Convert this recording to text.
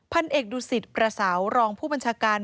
พันเอกดุสิตกระเสารองผู้บัญชาการ